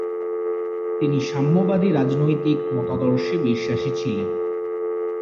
তিনি সাম্যবাদী রাজনৈতিক মতাদর্শে বিশ্বাসী ছিলেন।